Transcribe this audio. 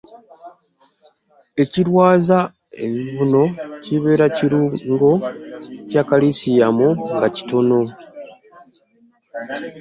Ekirwaza ebibuno kibeera kirungo kya kalisiyamu nga kitono.